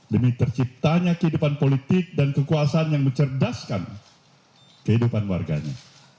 demi terciptanya kehidupan politik dan kekuasaan yang mencerdaskan kehidupan warganya